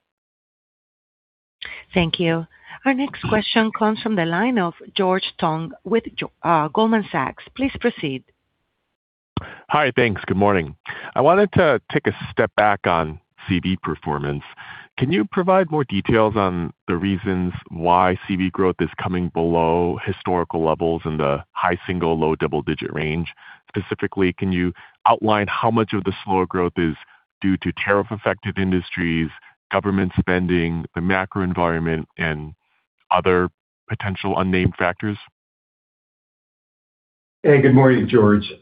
Thank you. Our next question comes from the line of George Tong with Goldman Sachs. Please proceed. Hi. Thanks. Good morning. I wanted to take a step back on CV performance. Can you provide more details on the reasons why CV growth is coming below historical levels in the high single-digit, low double-digit range? Specifically, can you outline how much of the slower growth is due to tariff-affected industries, government spending, the macro environment, and other potential unnamed factors? Hey, good morning, George. You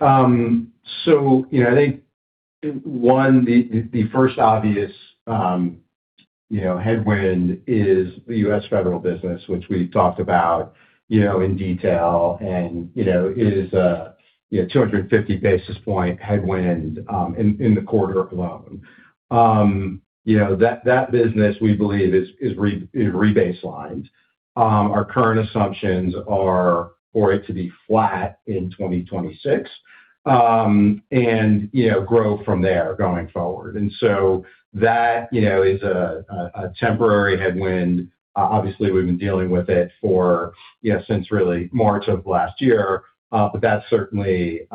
know, I think, one, the first obvious, you know, headwind is the U.S. Federal business, which we talked about, you know, in detail and, you know, is a, you know, 250 basis point headwind in the quarter alone. You know, that business, we believe is re-baselined. Our current assumptions are for it to be flat in 2026, and, you know, grow from there going forward. That, you know, is a temporary headwind. Obviously, we've been dealing with it for, you know, since really March of last year. That certainly,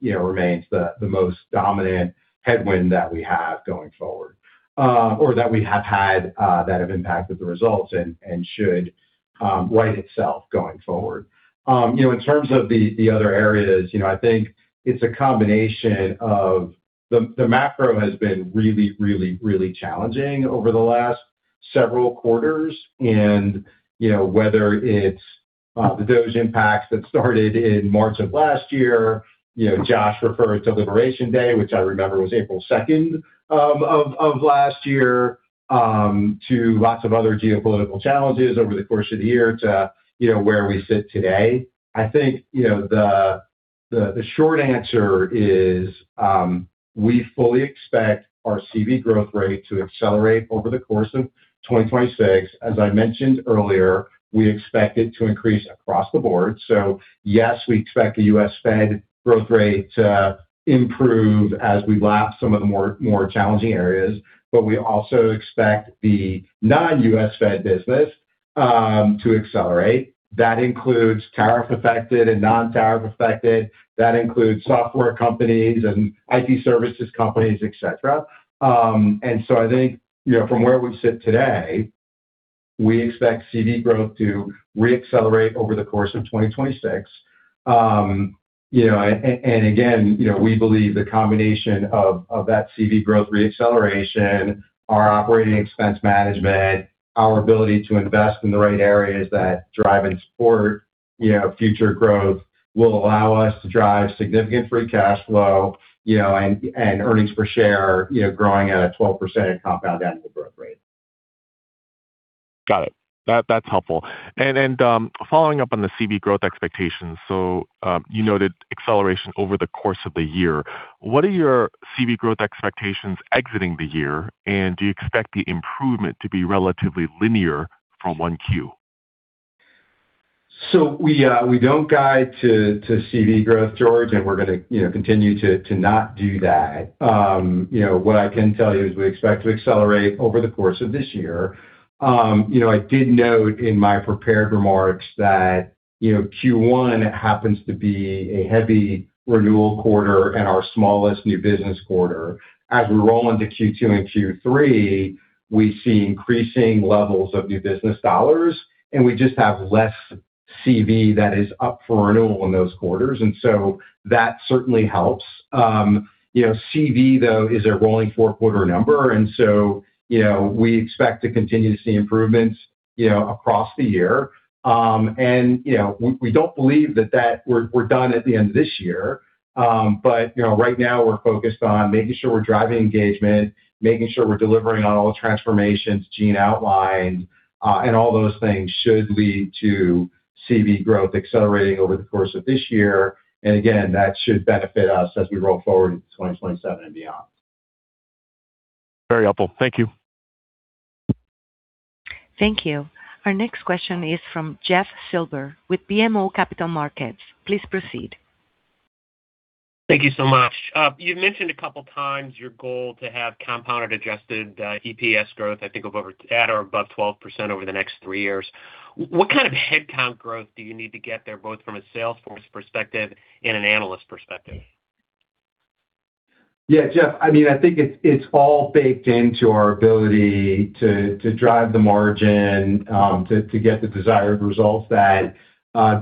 you know, remains the most dominant headwind that we have going forward. Or that we have had that have impacted the results and should right itself going forward. You know, in terms of the other areas, you know, I think it's a combination of the macro has been really challenging over the last several quarters. You know, whether it's those impacts that started in March of last year, you know, Josh referred to Liberation Day, which I remember was April 2nd of last year, to lots of other geopolitical challenges over the course of the year to, you know, where we sit today. I think, you know, the short answer is, we fully expect our CV growth rate to accelerate over the course of 2026. As I mentioned earlier, we expect it to increase across the board. Yes, we expect the U.S. Fed growth rate to improve as we lap some of the more challenging areas, but we also expect the non-U.S. Fed business to accelerate. That includes tariff affected and non-tariff affected. That includes software companies and IT services companies, et cetera. I think, you know, from where we sit today, we expect CV growth to re-accelerate over the course of 2026. And again, you know, we believe the combination of that CV growth re-acceleration, our operating expense management, our ability to invest in the right areas that drive and support, you know, future growth will allow us to drive significant free cash flow, you know, and earnings per share, you know, growing at a 12% compound annual growth rate. Got it. That's helpful. Following up on the CV growth expectations, you noted acceleration over the course of the year. What are your CV growth expectations exiting the year, and do you expect the improvement to be relatively linear from 1Q? We don't guide to CV growth, George, and we're gonna, you know, continue to not do that. You know, what I can tell you is we expect to accelerate over the course of this year. You know, I did note in my prepared remarks that, you know, Q1 happens to be a heavy renewal quarter and our smallest New Business quarter. As we roll into Q2 and Q3, we see increasing levels of New Business dollars, and we just have less CV that is up for renewal in those quarters. That certainly helps. You know, CV, though, is a rolling four-quarter number. You know, we expect to continue to see improvements, you know, across the year. You know, we don't believe that we're done at the end of this year. You know, right now we're focused on making sure we're driving engagement, making sure we're delivering on all the transformations Gene outlined, all those things should lead to CV growth accelerating over the course of this year. That should benefit us as we roll forward into 2027 and beyond. Very helpful. Thank you. Thank you. Our next question is from Jeff Silber with BMO Capital Markets. Please proceed. Thank you so much. You've mentioned a couple times your goal to have compounded adjusted EPS growth, I think of over at or above 12% over the next three years. What kind of headcount growth do you need to get there, both from a sales force perspective and an analyst perspective? Yeah, Jeff, I mean, I think it's all baked into our ability to drive the margin, to get the desired results that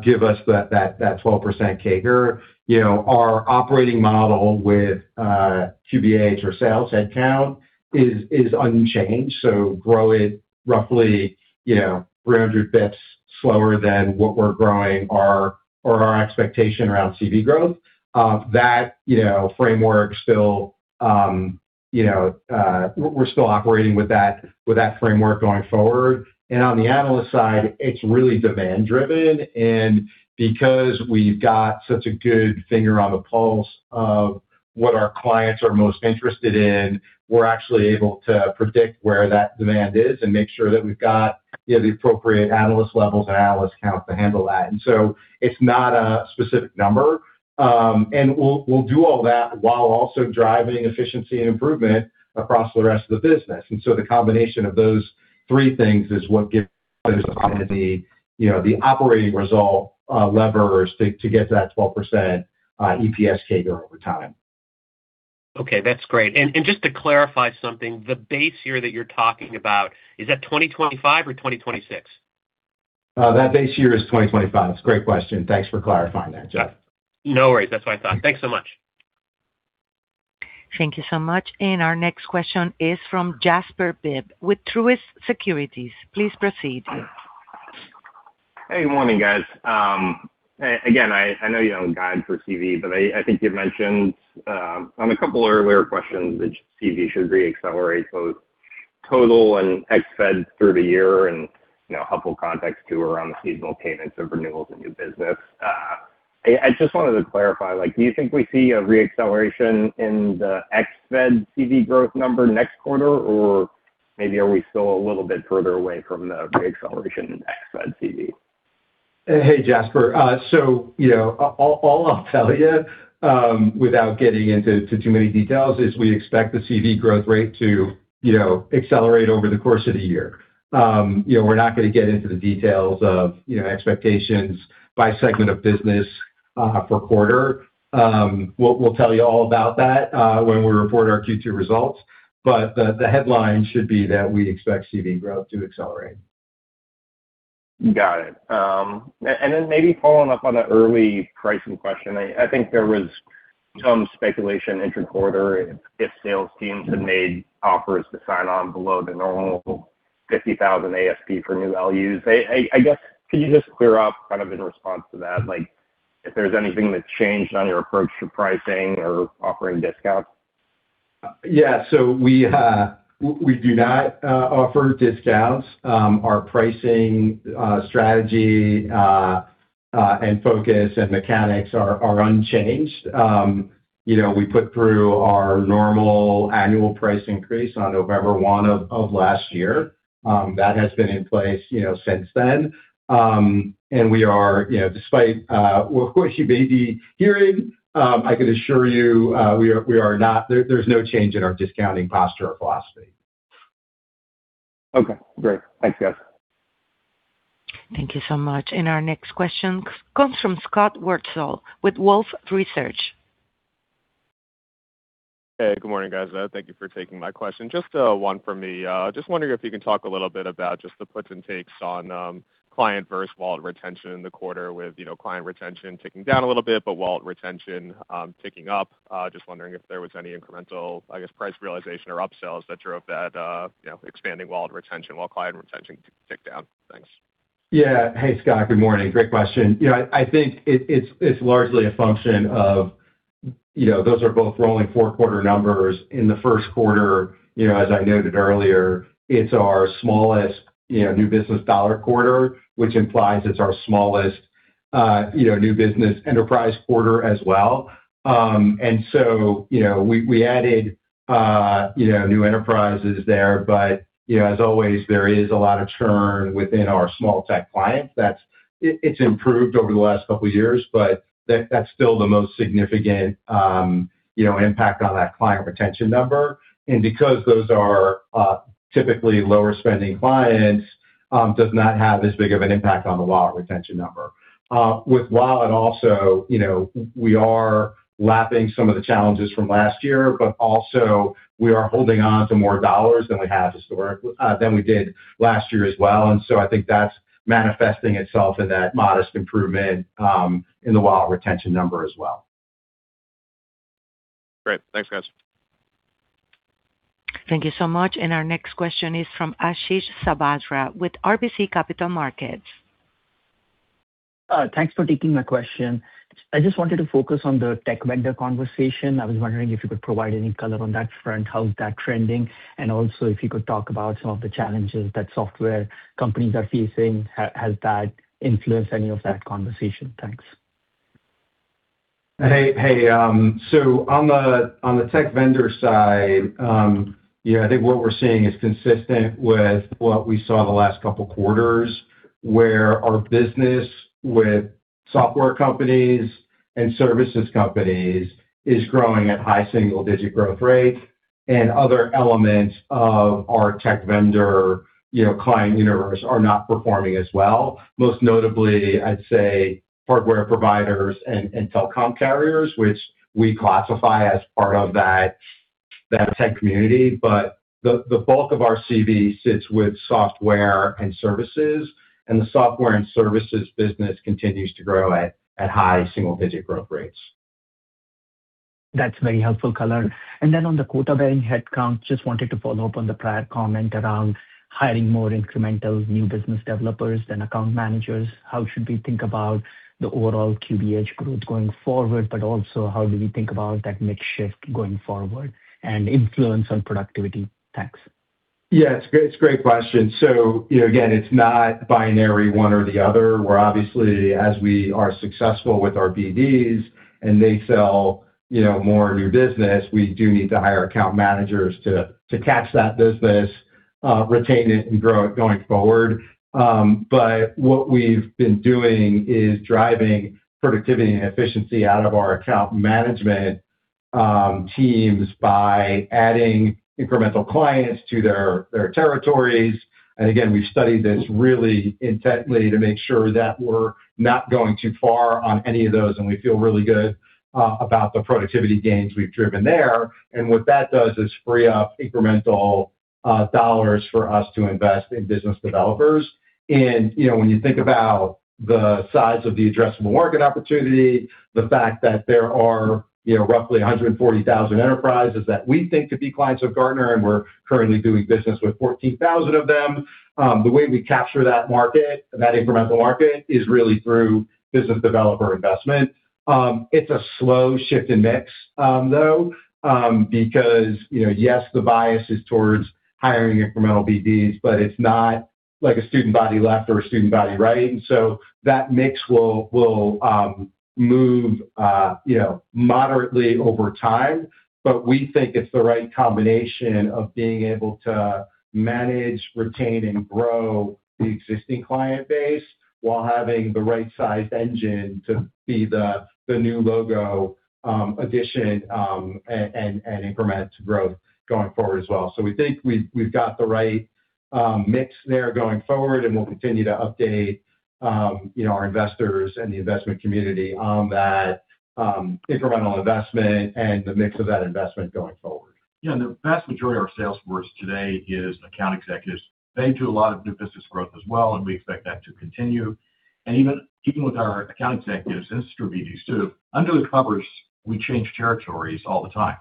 give us that 12% CAGR. You know, our operating model with QBH or sales headcount is unchanged. Grow it roughly, you know, 300 basis points slower than what we're growing our expectation around CV growth. That, you know, framework still, you know, we're still operating with that framework going forward. On the analyst side, it's really demand-driven. Because we've got such a good finger on the pulse of what our clients are most interested in, we're actually able to predict where that demand is and make sure that we've got, you know, the appropriate analyst levels and analyst count to handle that. It's not a specific number. We'll do all that while also driving efficiency and improvement across the rest of the business. The combination of those three things is what gives us the, you know, the operating result levers to get to that 12% EPS CAGR over time. Okay, that's great. Just to clarify something, the base year that you're talking about, is that 2025 or 2026? That base year is 2025. It's a great question. Thanks for clarifying that, Jeff. No worries. That is what I thought. Thanks so much. Thank you so much. Our next question is from Jasper Bibb with Truist Securities. Please proceed. Hey, good morning, guys. Again, I know you don't guide for CV, but I think you've mentioned on a couple earlier questions that CV should reaccelerate both total and ex Fed through the year and, you know, helpful context too around the seasonal payments of renewals and new business. I just wanted to clarify, like, do you think we see a reacceleration in the ex Fed CV growth number next quarter, or maybe are we still a little bit further away from the reacceleration in ex Fed CV? Hey, Jasper. All I'll tell you, without getting into too many details is we expect the CV growth rate to, you know, accelerate over the course of the year. You know, we're not gonna get into the details of, you know, expectations by segment of business per quarter. We'll tell you all about that when we report our Q2 results. The headline should be that we expect CV growth to accelerate. Got it. Then maybe following up on the early pricing question. I think there was some speculation inter-quarter if sales teams had made offers to sign on below the normal $50,000 ASP for new values. I guess, can you just clear up kind of in response to that, like if there's anything that's changed on your approach to pricing or offering discounts? Yeah. We do not offer discounts. Our pricing strategy and focus and mechanics are unchanged. You know, we put through our normal annual price increase on November 1 of last year. That has been in place, you know, since then. And we are, you know, despite what you may be hearing, I can assure you, there's no change in our discounting posture or philosophy. Okay, great. Thanks, guys. Thank you so much. Our next question comes from Scott Wurtzel with Wolfe Research. Hey, good morning, guys. Thank you for taking my question. Just one for me. Just wondering if you can talk a little bit about just the puts and takes on client versus wallet retention in the quarter with, you know, client retention ticking down a little bit, but wallet retention ticking up. Just wondering if there was any incremental, I guess, price realization or upsells that drove that, you know, expanding wallet retention while client retention ticked down. Thanks. Yeah. Hey, Scott. Good morning. Great question. You know, I think it's largely a function of, you know, those are both rolling four-quarter numbers. In the first quarter, you know, as I noted earlier, it's our smallest, you know, new business dollar quarter, which implies it's our smallest, you know, new business enterprise quarter as well. You know, we added, you know, new enterprises there. You know, as always, there is a lot of churn within our small tech clients that's it's improved over the last couple years, but that's still the most significant, you know, impact on that client retention number. Because those are, typically lower-spending clients, does not have as big of an impact on the wallet retention number. With wallet also, you know, we are lapping some of the challenges from last year, but also we are holding on to more dollars than we have histor- than we did last year as well. I think that's manifesting itself in that modest improvement in the wallet retention number as well. Great. Thanks, guys. Thank you so much. Our next question is from Ashish Sabadra with RBC Capital Markets. Thanks for taking my question. I just wanted to focus on the tech vendor conversation. I was wondering if you could provide any color on that front, how is that trending? Also, if you could talk about some of the challenges that software companies are facing. Has that influenced any of that conversation? Thanks. On the, on the tech vendor side, I think what we're seeing is consistent with what we saw the last couple quarters, where our business with software companies and services companies is growing at high single-digit growth rates, and other elements of our tech vendor, you know, client universe are not performing as well. Most notably, I'd say hardware providers and telecom carriers, which we classify as part of that tech community. The bulk of our CV sits with software and services, and the software and services business continues to grow at high single-digit growth rates. That's very helpful color. Then on the quota-bearing headcount, just wanted to follow up on the prior comment around hiring more incremental new business developers than account managers. How should we think about the overall QBH growth going forward, but also how do we think about that mix shift going forward and influence on productivity? Thanks. It's a great question. You know, again, it's not binary one or the other. We're obviously, as we are successful with our BDs and they sell, you know, more new business, we do need to hire account managers to catch that business, retain it, and grow it going forward. What we've been doing is driving productivity and efficiency out of our account management teams by adding incremental clients to their territories. Again, we've studied this really intently to make sure that we're not going too far on any of those, and we feel really good about the productivity gains we've driven there. What that does is free up incremental dollars for us to invest in business developers. You know, when you think about the size of the addressable market opportunity, the fact that there are, you know, roughly 140,000 enterprises that we think could be clients of Gartner, and we're currently doing business with 14,000 of them, the way we capture that market, that incremental market, is really through business developer investment. It's a slow shift in mix, though, because, you know, yes, the bias is towards hiring incremental BDs, but it's not like a student body left or a student body right. That mix will move, you know, moderately over time. We think it's the right combination of being able to manage, retain, and grow the existing client base while having the right size engine to be the new logo addition and incremental to growth going forward as well. We think we've got the right mix there going forward, and we'll continue to update, you know, our investors and the investment community on that incremental investment and the mix of that investment going forward. Yeah. The vast majority of our sales force today is account executives. They do a lot of new business growth as well, and we expect that to continue. Even with our account executives, industry BDs too, under the covers, we change territories all the time.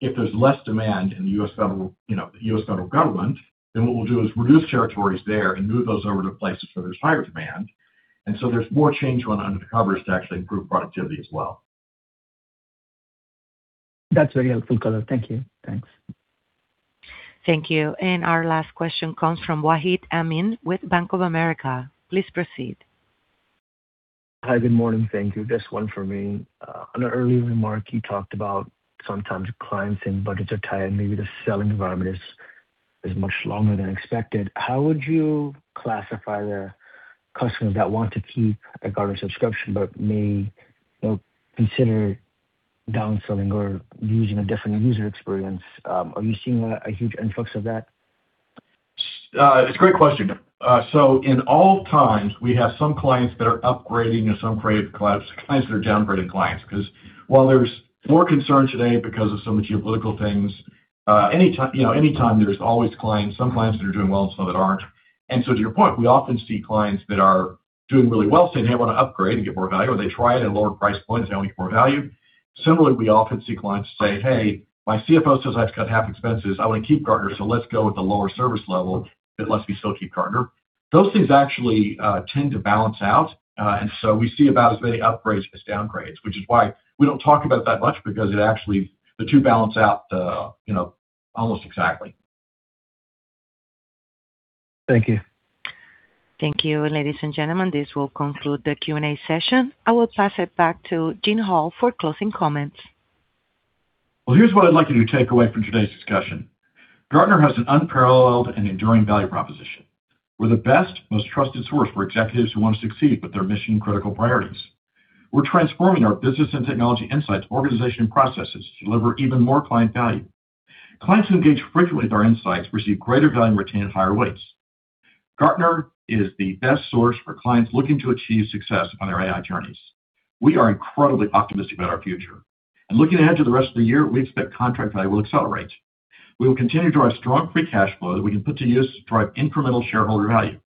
If there's less demand in the U.S. federal, you know, the U.S. federal government, then what we'll do is reduce territories there and move those over to places where there's higher demand. There's more change going on under the covers to actually improve productivity as well. That's very helpful color. Thank you. Thanks. Thank you. Our last question comes from Wahid Amin with Bank of America. Please proceed. Hi. Good morning. Thank you. Just one for me. On an early remark, you talked about sometimes clients saying budgets are tight and maybe the selling environment is much longer than expected. How would you classify the customers that want to keep a Gartner subscription but may, you know, consider downselling or using a different user experience? Are you seeing a huge influx of that? It's a great question. In all times, we have some clients that are upgrading and some clients that are downgrading clients. While there's more concern today because of some geopolitical things, any time, you know, there's always some clients that are doing well and some that aren't. To your point, we often see clients that are doing really well saying they want to upgrade and get more value, or they try it at a lower price point and say, "I want to get more value." Similarly, we often see clients say, "Hey, my CFO says I have to cut half expenses. I want to keep Gartner, let's go with the lower service level that lets me still keep Gartner." Those things actually tend to balance out. We see about as many upgrades as downgrades, which is why we don't talk about it that much because it actually, the two balance out, almost exactly. Thank you. Thank you. Ladies and gentlemen, this will conclude the Q&A session. I will pass it back to Gene Hall for closing comments. Well, here's what I'd like you to take away from today's discussion. Gartner has an unparalleled and enduring value proposition. We're the best, most trusted source for executives who want to succeed with their mission-critical priorities. We're transforming our business and technology insights, organization, and processes to deliver even more client value. Clients who engage frequently with our insights receive greater value and retain at higher rates. Gartner is the best source for clients looking to achieve success on their AI journeys. We are incredibly optimistic about our future. Looking ahead to the rest of the year, we expect contract value will accelerate. We will continue to draw strong free cash flow that we can put to use to drive incremental shareholder value.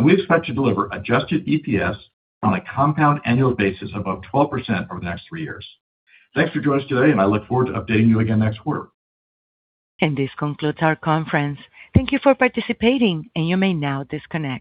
We expect to deliver adjusted EPS on a compound annual basis above 12% over the next three years. Thanks for joining us today, and I look forward to updating you again next quarter. This concludes our conference. Thank you for participating, and you may now disconnect.